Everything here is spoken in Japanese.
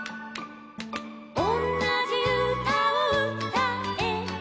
「おんなじうたをうたえば」